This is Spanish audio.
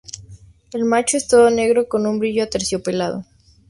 El macho es todo negro con un brillo aterciopelado.